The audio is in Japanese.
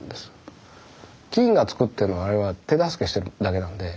菌が造ってるのをあれは手助けしてるだけなんで。